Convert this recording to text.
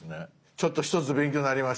ちょっと一つ勉強になりました。